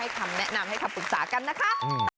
คำแนะนำให้คำปรึกษากันนะคะ